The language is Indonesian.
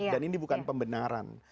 dan ini bukan pembenaran